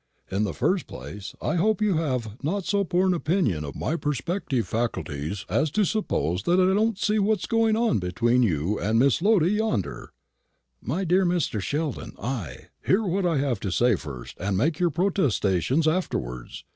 In the first place, I hope you have not so poor an opinion of my perceptive faculties as to suppose that I don't see what is going on between you and Miss Lotta yonder." "My dear Mr. Sheldon, I " "Hear what I have to say first, and make your protestations afterwards.